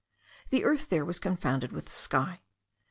The earth there was confounded with the sky.